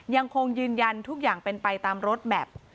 ยังคงยืนยันทุกอย่างเป็นไปตามรถแมพ